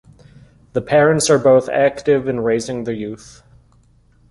The parents are both active in raising the young.